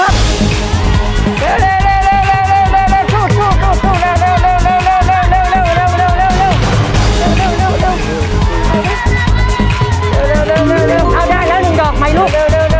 โอ้ได้แล้ว๑ดอกใหม่ลูก